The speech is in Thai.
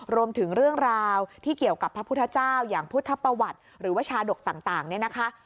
รวมถึงเรื่องราวที่เกี่ยวกับพระพุทธเจ้าอย่างพุทธประวัติหรือว่าชาดกต่างเนี่ยนะคะ